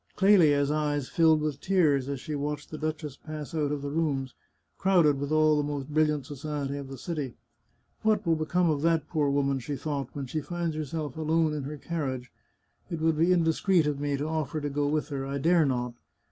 Clelia's eyes filled with tears as she watched the duchess pass out of the rooms, crowded with all the most brilliant society of the city. " What will become of that poor woman," she thought, " when she finds herself alone in her carriage ? It would be indiscreet of me to offer to go with her. I dare not.